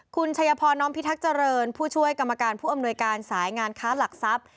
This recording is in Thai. คุณชัยพรน้อมพิทักษ์เจริญผู้ช่วยกรรมการผู้อำนวยการสายงานค้าหลักทรัพย์